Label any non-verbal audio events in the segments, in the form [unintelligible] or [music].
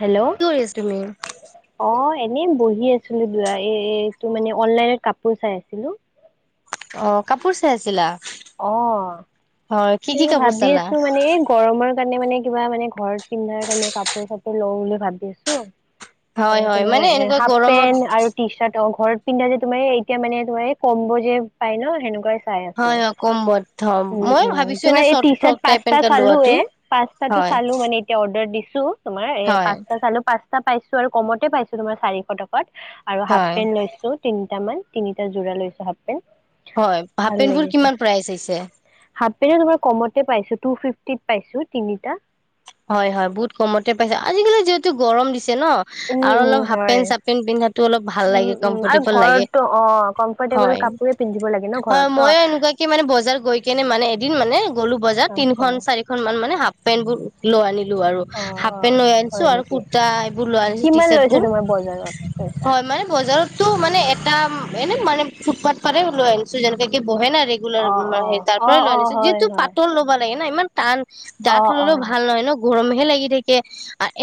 Hello কি কৰি আছা তুমি? অ' এনে বহি আছো। এটো মানে অনলাইনত কাপোৰ চাই আছিলো। অ' কাপোৰ চাই আছিলা? হয় কি কি অ', কাপোৰ ভাবি চালা? আছো মানে এই গৰমৰ কাৰণে মানে কিবা মানে ঘৰত পিন্ধাৰ কাৰণে কাপোৰ চাপোৰ লওঁ বুলি ভাবি আছো। হয় এ হয় তোমাৰ মানে এ এনেকুৱা হাফ গৰমত পেন্ট আৰু টি চাৰ্ট অ', ঘৰত পিন্ধা যে তুমাৰ এতিয়া মানে তোমাৰ ক'ম্ব যে পাই ন হেনেকুৱাই চাই আছো। হয় হয় কমবত থম উম, মই উম ভাবিছো তোমাৰ এনে এই sort T frock shirt type পচটা এনেকে চালো লোৱাটো এ পচাতটো হয় চালো মানে এতিয়া অৰ্ডাৰ দিছোঁ তোমাৰ হয় পাঁচটা চালোঁ পাঁচটা পাইছোঁ আৰু কমতে পাইছোঁ তোমাৰ চাৰিশ টকাত। আৰু হাফ হয় পেণ্ট লৈছো তিনিটা মান তিনিটা যোৰা লৈছো হাফ পেন্ট হয় হফ ভাল পেণ্টবোৰ লাগিছে কিমান প্ৰাইজ আহিছে? হাফ পেমাৰ কমতে পাইছো টু ফিফট পাইছো তিনিটা। হয়, হয় বহুত কমতে পাইছ আজিকালি যিহেতু গৰম দি ন উম, আৰু উম, অলপ হাফেন হয়। চাপেন পিন্ধা অলপ ভাল উম, লাগে উম, আৰু কমফৰ্টেবল লাগে। ঘৰতো অ' কমফৰ্টেবল হয় কাপোৰে পিন্ধিব লাগে ন ঘৰততো মই এনেকুৱা কে মানে বজাৰ গৈ কেনে মানে এদিন মানে গ'লো বজাৰ তি আচ্ছা তিনখন চাৰিখন মান মানে হাফ পেণ্টবোৰ লৈ আনি লো আৰু অ' হাফ অ পেণ্ট লৈ আনিছো হয় আৰু নেকি কুৰৰ্টা হে বোৰ লৈ আনিছো কিমান লৈছে টিৰ্চাতবোৰ তোমাৰ বজাৰত পইচা হয় মানে বজাৰতো মানে এটা এনে মানে ফুটপাথ পাৰে লৈ আনিছো যেনেকুৱা বহে না ৰেগুলাৰ অ', অ', তাৰ পৰাই অ', লৈ অ', আনিছো যিহেতু পাতল ল'ব লাগে না ইমান টান ডাঠ আহ ললেও অহ ভাল নহয় ন গৰমহে লাগি থাকে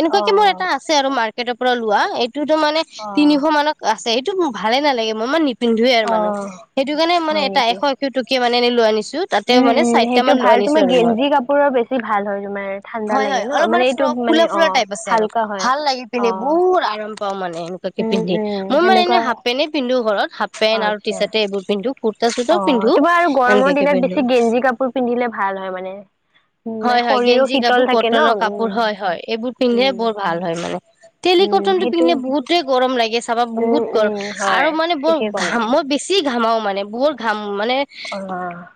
এনেকুৱা কে মোৰ অ', এটা আছে আৰু মাৰ্কেটৰ পৰা লোৱা টোতো মানে অ', তিনিশ মানত আছে সেইটো ভালে নালাগে মই ইমান পিন্ধুৱে আৰু মানুহ অ', সেইটো কাৰণে মানে হয় এটা নেকি? এশ এশ টকে মানে এনে লোৱা আনিছো তাতে উম, মানে উম, চাৰিটা সেইটো মান লৈ ভাল আনিছো তোমাৰ আৰু মই। গেঞ্জি কাপোৰৰ বেছি ভাল হয় তোমাৰ ঠাণ্ডা হয়, লাগে হয় ন অলপ মানে এইটো ফ্ৰক মানে ফুলা ফুলা অ', টাইপ আছে আৰু হালকা হয় ভাল লাগি পিন্ধ অ', বহুত আৰাম পা মানে এনেকুৱাকে উম, পিন্ধি উম, মই মান এনে সেনেকুৱা হাফ পেন্টে পিন্ধো ঘৰত হাফ পেন্ট টি আচ্ছা। চাৰ্টে এইবোৰ পিন্ধো কুৰ্তা চুৰ্তাও অ', পিন্ধো তোমাৰ আৰু গৰমৰ এনেকাকে দিনত পিন্ধো বেছি গেঞ্জি কাপোৰ পিন্ধিলে ভাল হয় মানে। উম। হয় হয় [unintelligible] গেঞ্জি কাপোৰ থাকে ন কটনৰ কাপোৰ উম, হয়, হয় এইবোৰ পিন্ধিলে উম, বৰ ভাল হয় মানে। উম, তেলিকটন টো সেইটো পিন্ধে বহুতেই গৰম লাগে চাবা বহুত উম, গৰম উম, হয় আৰু মানে বৰ ঠিকেই ক'লা ঘামৃ মই বেছি কি ঘামাও মানে বহুত ঘাম মানে অ',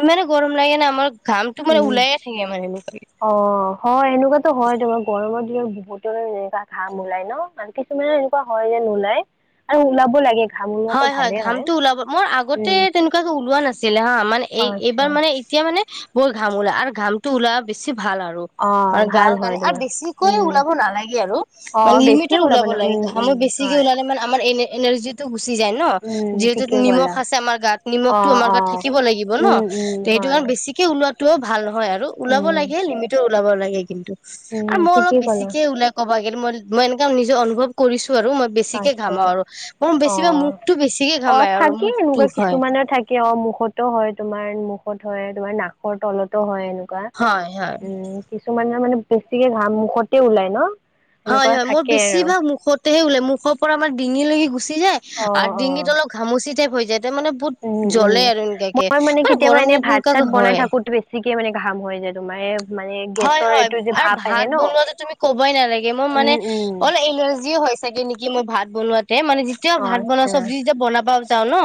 ইমানে গৰম লাগে নে আমাৰ ঘামটো মানে উম। ওলায়ে থাকে মানে। এনেকুৱাকে অ', হয় এনেকুৱাতো হয় তোমাৰ গ গৰমৰ দিনত বহুতো এনেকুৱা ঘাম ওলায় ন মান কিছুমানে এনেকুৱা হয় যেন নোলায় আৰু ওলাব লাগে ঘাম ওলোৱাটো হয়, হয় ভালেই ঘামটো ওলাব মোৰ আগতে উম, তেনেকুৱাকো ওলোৱা নাছিলে হা মানে এই আচ্ছা এইবাৰ মানে এতিয়া মানে বৰ ঘাম ওলা আৰু ঘাম টো ওলা বেছি ভাল আৰু অ', গাৰ ভাল গানে হয় আৰু তোমাৰ বেছিকৈয়ে উম। ওলাব নালাগে আৰু মানে অ', বেছিয়ে লিমিটত ওলাব ন লাগে। উম, ঘাম উম, বেছিকে হয় ওলালে মানে আমাৰ এন গুছি যায় ন। উম, যিহেতু ঠিকে নিমষ ক'লা। আছে আমাৰ গাত নিমষ অ', অ', থাকিব লাগিব ন। উম, উম, তে হয় বেছিকে ওলোৱাতটোও ভাল হয় আৰু ওলাব উম, লাগে লিমিটত ওলাব লাগে কিন্তু। উম, আৰু মই অলপ ঠিকেই ক'লা বেছিকে ওলাই কবা গ'লে মই মই এনেকা নিজে অনুভৱ কৰিছো। আৰু মই বেছিকে আচ্ছা ঘামা আৰু। মোৰ বেছিভাগ অ', মুখটো বেছিকে অ' ঘামাই আৰু থাকি মুখটো এনেকুৱা হয়। কিছুমানে থাকি তেওঁ মুখতো হয় তোমাৰ মুখত হয় তোমাৰ নাকৰ তলতো হয় হয় হয় উম কিছুমানৰ মানে বেছিকে ঘাম মুখতে ওলাই ন। হয়, সেনেকুৱা হয় মোৰ থাকে বেছি আৰু ভাগ মুখতেহে উলায় মুখৰ পৰা আমাৰ ডিঙি লৈকে গুছি গুছি় যায় অ আৰু অ ডিগিত অলপ ঘামুচি টাইপ হৈ যায়। মানে উম বহুত উম জ্বলে আৰু এনেকাকে মই মানে মে গৰম দিনত এনেুৱাকে হয়। এয়া মানে ঘাম হয় যে তোমাৰ মানে হয় গেছৰ হয় এইটো যে আৰু ভাপ আহে ভাত ন বনোৱাতে তুমি ক'বই নালাগে মোৰ উম মানে উম অলপ এলাৰ্জিও হয় চাগে নেক কি মই ভাত বনোৱা মানে যেতিয়া অ ভাত বন আচ্ছা চব্জি যেতিয়া বনাব যাও ন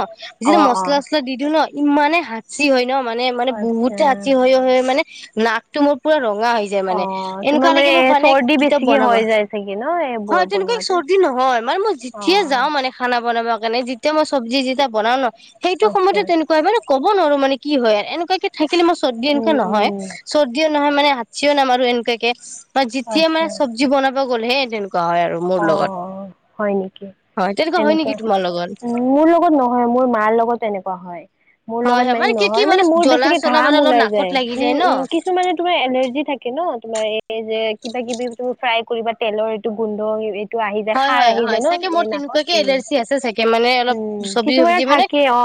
অ যেতিয়া অ মছলা চচলা দি দিওঁ ন ইমানে হাঁচি হয় ন মানে মানে আচ্ছা বহুতে হাঁচি হয় হয় মানে নাকটো মোৰ পুৰা ৰ ৰঙা হৈ যায় অ মানে তোমাৰ এনেকুৱা লাগে মোক মানে চৰ্দি কিতাপ বেছিকে বনাবা হৈ যায় চাগে ন এইবোৰ হয় তেনেকুৱা এক বনোৱাতে চৰ্দি ন হয় মানে মই অ যেতিয়ে যাও মানে খানা বনাব কাৰণে যেতিয়া মই চব্জি যেতিয়া বনাও ন সেইটো আচ্ছা সময়তো তেনেকুৱা হয় মানে ক'ব নোৱাৰো মানে কি হয় আৰু এনেকুৱা কি থাকিলে মই চৰ্দি এনেকে উম নহয় উম চৰ নহয় মানে হাচিও নামাৰো আৰু এনেকুৱাকে মানে যেতিয়া মানে আচ্ছা চবজি বনাব গ'ল হে তেনেকোৱা অ হয় নেকি। হয় তেনেকুৱা হয় নেকি এনেকুৱা তোমাৰ লগত মোৰ লগত নহয় মোৰ মাৰ লগত এনেকুৱা হয়। মোৰ হয় লগত হয় মানে কি কি নহয় মানে মোৰ জ্বলা বেছিকে চলা ঘাম মানে অলপ ওলাই নাকত যায় লাগি উম ন উম কিছুমানে তোমাৰ এলাৰ থাকে ন তোমাৰ এই যে কিবা কিবি তুমি ফ্ৰাই কৰিবা তেলৰ এইটো গোন্ধ আহি যায় হয় খাৰ হয় আহি হয় যায় ন চাগে মোৰ এই নাকত তেনেকুৱাকে উম এলাৰজি আছে চাগে মানে অলপ উম চব্জি কিছুমানৰ চবজি মানে থাকে অ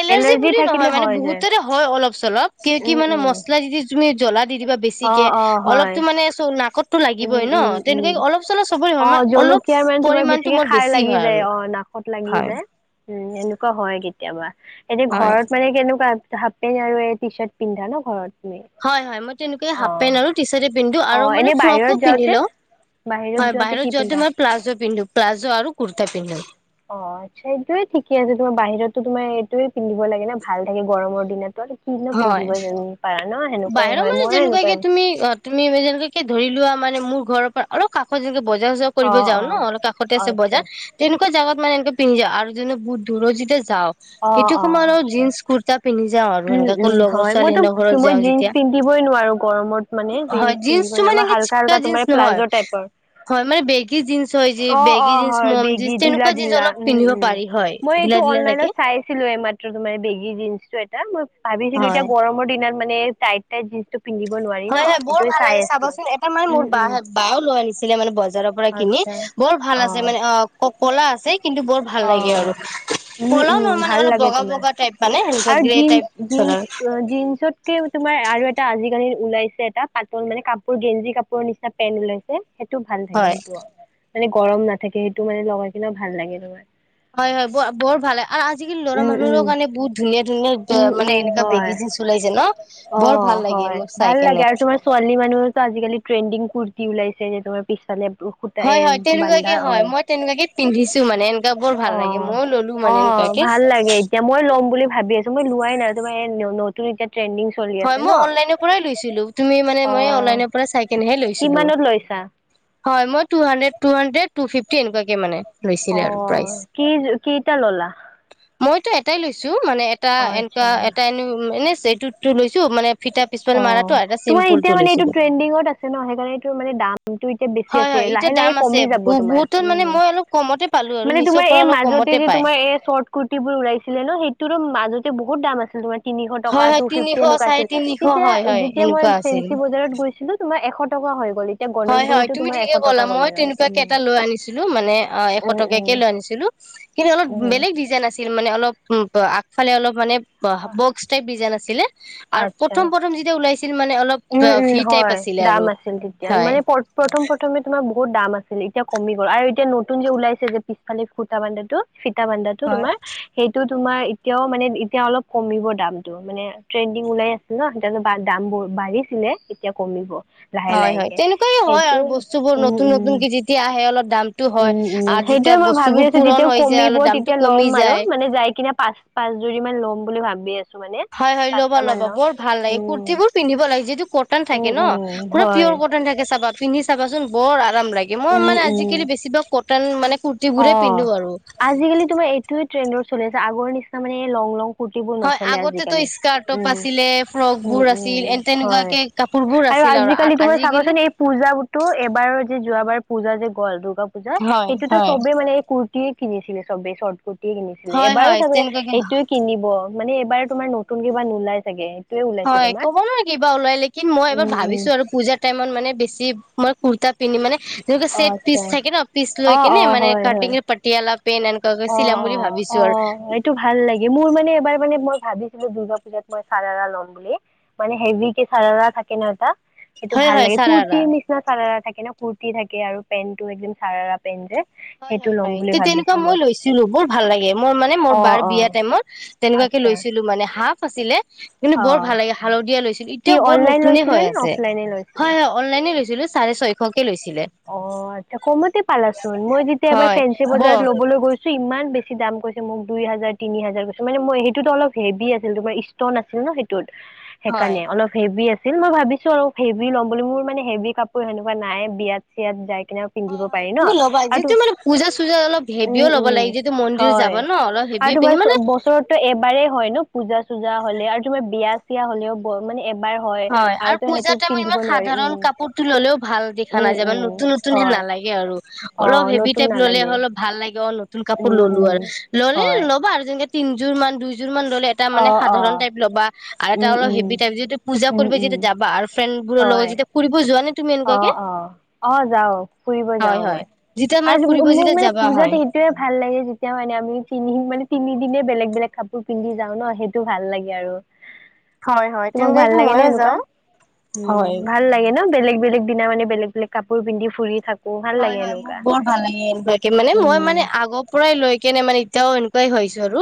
এলাৰ্জি বুলি থাকিলে নহয় মানে হৈ যায় বহুতেৰে হয় অলপ চলপ ক কি উম মানে মছলা উম যদি তুমি জলা দি কিবা অ বেছিকে অ হয় অলপতো মানে চ নাকতো উম লাগিবই ন উম তেনেকুৱা উম অলপ চলপ চবৰে অ হয় ম জলকীয়াৰ মানে তোমাৰ বেছিকে খাৰ লাগি যায় আৰু অ নাকত লাগি হয় যায়। উম এনেকুৱা হয় কেতিয়াবা এতিয়া হয় ঘৰত মানে কেনেকুৱা হাফ পেণ্ট আৰু টি চাৰ্ট পিন্ধা ন ঘৰত। তুমি হয় হয় মই তেনেকুৱাই অ হাফ পেণ্ট আৰু টি চাৰ্টে পিন্ধো অ আৰু মানে এনে ফ্ৰকো বাহিৰত পিন্ধি যাওঁতে লওঁ। হয় বাহিৰত যোৱাতে মই প্লাজো পিন্ধো প্লাজো আৰু কুুৰ্তা পিন্ধো। অ আচ্ছা এইটোয়ে ঠিকে আছে তোমাৰ বাহিৰতো তোমাৰ এইটয়ে পিন্ধিব লাগে না ভাল থাকে গৰমৰ দিনত। কিনো হয় পিন্ধিব জানো পাৰা। ন সেনেকুৱাই বাহিৰৰ হয় মানু ময়ো সেনেকুৱাই যেনেকুৱাকে তুমি অ তুমি যেনেকুৱাকে ধৰি লোৱা মানে মানে মোৰ ঘৰৰ পৰা অলপ কাত যেনেকে বজাৰ চজাৰ অ কৰিব যাও অ ন অলপ কাষতে আছে আচ্ছা বজাৰ তেনেকুৱা। জাগত মানে এনেকে পিন্ধিায় আৰুনে বহু দূৰ যে যাওঁ অ সেইটো অ সময়াৰ আৰু আচ্ছা জিননস কুৰ্তা পিন্ধিা আৰু উম সেনেককা ক উম লগৰ হয় ছোৱালী মইতো সেনে ঘৰত মই যাওঁ। জিন্স যেতিয়া পিন্ধিবই নোৱাৰো গৰমত মানে হয় জিন্সটো পিন্ধিবই নোৱাৰো মানে ম এনে হাল্কা চিপকা হাল্কা জিন্স তোমাৰ নহয় প্লাজো টাইপৰ। হয় মানে বেগী জিন্স হয় য অ অ বেগী জিন্ছ হয় মম জিন্ বেগী ঢিলা তেনেকুৱা জ ঢিলা অলপ উম পিন্ধিব উম পাৰি হয়। মই এইটো দিলে তাকে। অনলাইনত চাইছিলো এ মাত্ৰ তোমাৰ বেগী জিনন্চটো এটা মই ভাবিছিলো হয় এতিয়া গৰমৰ দিনত। মানে তাই টাই যি হয় হয় বৰ ভাল লাগে চাবচোন এটা মানে উম মোৰ বা উম বাও লৈ আনিছিলে মানে বজাৰৰ পৰা কিনি। আচ্ছা বৰ ভাল অ আছে মানে অ কলা আছে কিন্তু বৰ ভাল অ লাগে আৰু ক উম উম নহয় ভাল মানেলপ লাগে বগা তোমাৰ বগা টাইপ পালে। আৰু জিন্চ জিন্ জিন্ছতকে তোমাৰ আৰু এটা আজিকালি ওলাইছে এটা পাতল মানে কাপোৰ গেঞ্জি কাপোৰৰ নিচিনা পেন্ট ওলাইছে, সেইটো ভাল থাকে, হয় সেইটো আহ মানে গৰম নাথাকে সেইটো মানে লগাই কিনেও ভাল লাগে তোমাৰ হয় হয় বৰ ভালে আৰু আজিকালি ল'ৰা উম মানুহৰ উম কাৰণে বহুত ধুনীয়া উম ধুনীয়া মানে উম এনেকুৱা বেগ হয় জিনন ওলাইছে ন অ বৰ ভাল লাগে হয় মোক চাই ভাল লাগে কেনে আৰু তোমাৰ ছোৱালী মানুহো আজিকালি ট্ৰেণ্ডিং কুতি উলাইছে সেই যে তোমাৰ পিছালে হয় হয় তেনেকুৱাকে হয় মই তেনেকুৱাকে পিন্ধিছো মানে এনেকুৱ বৰ অ ভাল লাগে ময়ও ল'লো অ মানে এনেকুৱাকে ভাল লাগে এতিয়া মই ল'ম বুলি ভাবি আছো মই লোৱাই নাই তোমাৰ এই নতুন এতিয়া ট্ৰেনডিং চলি হয় আছে ন মই অনলাইনৰ পৰাই লৈছিলো তুমি মানে অ মই অনলাইনৰ পৰা চাই কেনেহে লৈছিলো কিমানত লৈছা [unintelligible] হয় মই টুানডে টু হানড্ৰেড টু ফিফটি এনেুৱাক মানে অ লৈছিলে আৰু প্ৰাইচ ক কেইটা ললা মইতো এটাই লৈছোঁ মানে এটা অ এনেকুৱা আচ্ছা। এটা এনে এনেটোটো লৈছোঁ মানে ফিটা পিছফালে অ মাৰাটো আৰু এটা তোমাৰ চিম্পুল টো এতিয়া মানে এইটো লৈছিলো ট্ৰেণ্ডিঙত আছে ন সেইকাৰণে এই মানে দামটো এতিয়া বেছি হয় আছিল হয় এতিয়া লাহে লে দাম আছে কমি যাব তোমাৰ বহুতত উ মানে মই অলপ কমতে পালো আৰু মানে মিছৰ তোমাৰ পৰা এই অলপ মাজতে কমতে যে পায় তোমাৰ কুতিবোৰৰ উলাইছিলে ন সেইটো মাজতে বহুত দাম আছিল তোমাৰ তিনিশ টকা হয় হয় টু তিনিশ ফিফটি একুৱ চাৰে আছিল তিনিশ তেতিয়া হয় হয় যেতিয়া মই এনেকুৱা আছিল ফেঞ্চি বজাৰত গৈছিলো তোমাৰ এশ টকা হয় হয় হয় তুমি ঠিকে কলা মই লয়। তেনেকুৱা উম কেইটা লৈ আনিছিলো মানে অ এশ উম উম টকাকে লৈ আনিছিলো কিন্তু অলপ উম বেলেগ ডিজাইন আছিল মানে অলপ আগফালে অলপ মানে বক্স টাইপ ডিজাইন আছিলে আৰু আচ্ছা। প্ৰথম প্ৰথম যেতিয়া ওলাই মানে অলপ উম উম ভি টাইপ হয় আছিলে দাম আৰু আছিল তেতিয়া হয় মানে প্ৰথম প্ৰথমে তোমাৰ বহুত দাম আছিল এতিয়া কমি গ'ল আৰু এতিয়া নতুন যে ওলাইছে যে পিছফালে ফুৰ্তটা বান্ধাটো ফিতা বান্দাটো তোমাৰ সেইটোত তোমাৰ এতিয়াও মানে এতিয়া অলপ কমিব দামতটো মানে ট্ৰেণ্ডিং ওলাই আছিল ন সেয়া দাম বোৰ বাঢ়িছিলে এতিয়া কমিব লাহে হয় হয় লাহেকে তেনেকুৱাই হয় সেইটো আৰু বস্তুবোৰ উম নতুন উম নতুনকে যেতিয়া আহে অলপ দামটো হয় উম উম আৰু সেইটোৱে যেতিয়া মই ভাবি বস্তুবোৰ আছো পুৰণ যেতিয়া হৈ যায় কমিব অলপ দামটো তেতিয়া ল'ম কমি আৰু যায় মানে যাই কিনে পাঁচ পাঁচ জোৰি মান ল'ম বুলি ভাবি আছে হয় হয় ল'ব ল'ব বৰ ভাল লাগে উম কুৰ্তী বোৰ পিন্ধিব লাগে যিটো কটন উম থাকে ন উম পুৰা হয় পিয়ৰ কটন থাকে চাবা পিন্ধি চাবাচোন বৰ ৰাম লাগে মই উম মানে উম আজিকালি বেছিভাগ কটন মানে অ কুৰ্তিবোৰেই পিন্ধো আৰু আজিকালি তোমাৰ এইটোয়েৰ চলি আছে আগৰ নিচিনা মানে লং লং বোৰ হয় নচলে আগতেতো আজালি স্কাৰ্ট উ টপ আছিলে ফ্ৰক উ বোৰ উ আছিল এ হয় তেনেকুৱাকে কাপোৰবোৰ আছিল আৰু আজিকালি তোমাৰ আজিকালি চাবাচোন এই পূজা এবাৰৰ যে যোৱ বাৰ পূজা যে গ'ল দুৰ্গা পূজা হয় সেইটোতো হয় চবে মানে এই কুৰ্তিয়ে কিনিছিলে চবেই চৰ্ট কুৰ্তি কিনিছিলে হয় এবাৰো হয় চাগে তেনেকুৱাকে এইটো কিনিব মানে এইবাৰ তোমাৰ নতুন কিবা নোলাই চাগে এইটোয়ে ওলাইছে হয় তোমাৰ ক'ব নোৱাৰি কিবা ওলাই ল কি মই এবাৰ উম উম ভাবিছো আৰু পূজাৰ টাইমত মানে বেছি মই কুৰ্তা পিন্ধি মানে য অ চেট আচ্ছা পিচ থাকে ন পিচ অ লৈ অ কেনে মানে হয় হয় কাটিং পতিয়ালা অ অ অ এইটো ভাল লাগে মোৰ মানে এবাৰ মানে মই ভাবিছিলো দ দুৰ্গা পুজাত মই চাৰাৰা ল'ম বুলি মানে হেভি কে চাৰাৰা থাকে ন এটা সেইটো হয় ভাল হয় লাগে কূুৰ্তি চাৰাৰা নিচিনা চাৰ থাকে ন কুৰ্তি থাকে আৰু পেণ্ট টো একদম চাৰা পেণ্ট যে হয় সেইটো হয় ল'ম হয় বুলি তে তেনেকুৱা ভাবিছিলো মই লৈছো ছিলো বৰ ভাল লাগে মোৰ মানে মোৰ অ বাৰ অ বিয়া টাইমত তেনেকুৱাকে আচ্ছা লৈছিলো মানে হাফ আছিলে কিন্তু অ বৰ ভাল লাগে হালধীয়া লৈছিলো কি এতিয়াও বৰ অনলাইন নতুনে লৈছিলে হৈ নে আছে অফলাইনে লৈছিলা হয় হয় অনলাইনে লৈছিল চাৰে ছয়শ অ আচ্ছা কমতে পালাচোন মই যেতিয়া এবাৰ হয় ফেঞ্চি ব বজাৰত লবলৈ গৈছো ইমান বেছি বেছি দাম কৈছে মোক দুই হাজাৰ তিনি হাজাৰ কৈছো মানে মই সেইটোতো অলপ হেভি আছিল তোমাৰ ষ্টন আছিল ন সেইটোত হয় সেইকাৰণে অলপ হেভি আছে আছিল মই ভাবিছো অলপ হেভি ল'ম বুলি মোৰ মানে হেভি কাপোৰ সেনেকুৱা নাই বিয়াত চিয়াত যাই। এনেও পিন্ধিব হয় হয় পাৰি ন তুমি ল'বা আৰু যিহেতু মানে পূজা চূজা অলপ উম হেভিও ল'ব উম লাগে যিহেতু মন্দিৰ হয়। যাবা ন অলপ হেভি আৰু তোমাৰ পিন্ধি ছ মানে বছৰতো এবাৰেই হয় ন পূজা চূজা হলে আৰু তোমাৰ বিয়া। চিয়া হ'লেও বৰ মানে এব হয় আৰু পুজা টাইমত ইমান সাধাৰণ উম কাপোৰটো ল'লেও ভাল দেখা উম নাযায়। উম নতুন নতুন হেন হয় নালাগে আৰু অ অলপ হেভি নতুন টাইপ ল'লে নালাগে অলপ ভাল লাগে অ ন তুন কাপোৰ উম ল'লো উম আৰু ল'লে হয় ল'বা আৰু যেনেকে তিনযোৰ মান দুই যোৰ মান ল'লে এটা অ মানে অ সাধাৰণ টাইপ ল'বা আৰু এটা উম অলপ উম হেভি টাইপ, যিহেতু পূজা উম কৰিব উম যিহেতু যাবা আৰু ফ্ৰেণ্ড। বোৰৰ লগত যেতিয়া ফুৰিব যোৱা নে? অহ অহ অ যাওঁ ফুৰিব হয় যাওঁ হয় মই। যেতিয়া মানে আৰু ফুৰিব তুমি মোক যেতিয়া মানে যাবা পূজাত হয় সেইটোৱে ভাল লাগে যেতিয়া মানে আমি পিন্ধিম মানে। তিনিদিনে বেলেগ -বেলেগ কাপোৰ পিন্ধি যাওঁ ন' সেইটো ভাল লাগে আৰু। হয় হয় তোমাক ভাল তেনেকুৱাকে লাগে নে ময়ো এনেকুৱা যাওঁ উম, হয় ভাল লাগে ন'বেলেগ বেলেগ দিনা মানে বেলেগ, বেলেগ কাপোৰ পিন্ধি ফুৰি থাক হয়, হয় মোক বৰ ভাল লাগে এনেকুৱাকে মানে মই উম মানে আগৰ পৰাই লৈ কেনে মানে এতিয়াও এনেকুৱাই হৈছো আৰু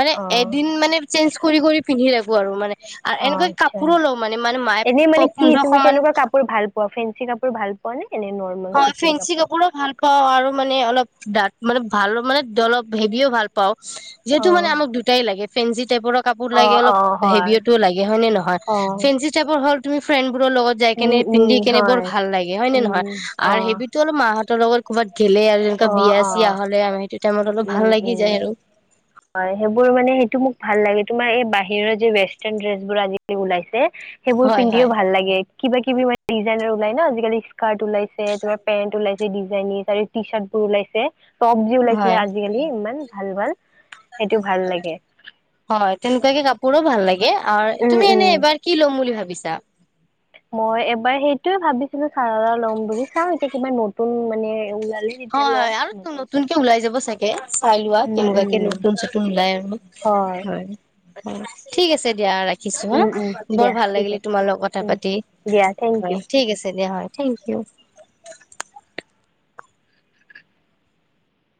মানে অ এদিন মানে চেঞ্জ কৰি কৰি পিন্ধি থাকো আৰু মানে। আৰু অ এনেকুৱা কাপোৰো আচ্ছা লওঁ মানে মানে মায়ে এনেই মানে কি পোন্ধৰশ তুমি মান কেনেকুৱা কাপোৰ ভাল পোৱা ফেঞ্চি কাপোৰ ভাল পোৱা নে এনে নৰ্মেল হয় সুতিৰ ফেঞ্চি কাপোৰ কাপোৰো ভাল পাওঁ আৰু মানে অলপ দাঠ মানে ভাল মানে অলপ হেভিও ভাল পাওঁ, যিহেতু মানে অ', আমাক দুটাই লাগে ফেঞ্চি টাইপৰো কাপোৰ লাগে অ', অলপ অ', হয়। হেভিটোও লাগ গে হয় নে নহয় অ', ফেঞ্চি টাইপৰ হ'ল তুমি ফ্ৰেণ্ড বোৰৰ লগত যাই কেনে উম, উম, পিন্ধি কেনে বৰ হয়, ভাল লাগে হয় নে নহয় উম। আৰু অ'। হেভিতো অলপ মাহঁত হঁতৰ লগত ক'ৰবাত গে'লে আৰু সেনেকুৱা অ', বিয়া চিয়া অ', হ'লে আৰু সেইটো টাইমত অলপ ভাল উম, লাগি উম। যায় আৰু। হয় সেইবোৰ মানে সেইটো মোক ভাল লাগে তোমাৰ এই বাহিৰৰ যে ৱেষ্টাৰ্ণ ড্ৰেছ বোৰ আজিকালি ওলাইছে সেইবোৰ হয় পিন্ধিও হয় ভাল লাগে। কিবা কিবি মানে ডিজাইনৰ ওলাই ন' আজিকালি স্কাৰ্ট ওলাইছে তোমাৰ পেন্ট ওলাইছে ডিজাইনিছ আৰু টি চাৰ্টবোৰ ওলাইছে টপ যে ওলাইছিলে হয় আজিকালি ইমান। ভাল, ভাল সেইটো ভাল লাগে। হয়, তেনেকুৱাকে কাপোৰো ভাল লাগে আৰু উম, তুমি এনে উম। এইবাৰ কি ল'ম বুলি ভাবিছা? মই এইবাৰ সেইটোৱে ভাবিছিলো চাৰাৰা ল'ম বুলি চাওঁ এতিয়া কিবা নতুন মানে ওলালে তেতিয়া ল'ম হয়, আৰু নতুন কিবা নতুনকে ওলাই যাব চাগে চাই লোৱা উম কেনেকুৱা কে উম নতুন চতুন ওলাই। হয়, অহ ঠিক আছে দিয়া ৰাখি খিছো হা উম উম বৰ দিয়া ভাল ঠিক লাগিলে আছে তোমাৰ লগত কথা উম পাতি দিয়া থেংক ইউ হয় ঠিক আছে দিয়া হয়। Thank U.